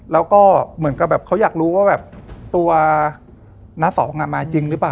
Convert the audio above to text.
แล้วก็เหมือนกับเขาอยากรู้ว่า